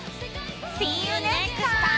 Ｓｅｅｙｏｕｎｅｘｔｔｉｍｅ！